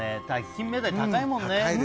キンメダイ、高いもんね。